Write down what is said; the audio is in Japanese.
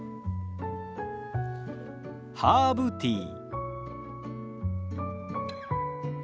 ハーブティー。